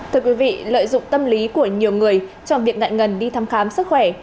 thưa quý vị lợi dụng tâm lý của nhiều người trong việc ngại ngần đi thăm khám sức khỏe